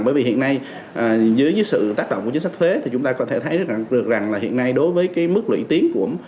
bởi vì hiện nay dưới sự tác động của chính sách thuế thì chúng ta có thể thấy rằng được rằng là hiện nay đối với cái mức lưỡi tiến của